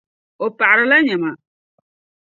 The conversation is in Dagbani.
O paɣirila nyɛma.